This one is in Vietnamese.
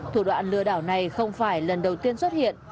thủ đoạn lừa đảo này không phải lần đầu tiên xuất hiện